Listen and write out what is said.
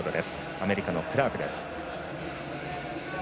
アメリカのクラークです。